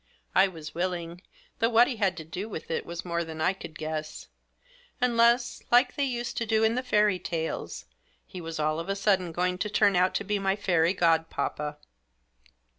I was willing ; though what he had to do with it was more than I could guess ; unless, like they used to do in the fairy tales, he was all of a sudden going to turn out to be my fairy godpapa.